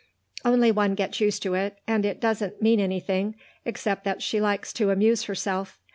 Only one gets used to it, and it doesn't mean anything except that she likes to amuse herself.